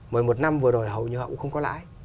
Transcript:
mà một năm vừa rồi hầu như họ cũng không có lãi